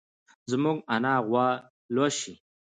زموږ انا غوا لوسي.